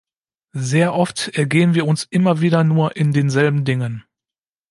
Sehr oft ergehen wir uns immer wieder nur in denselben Dingen.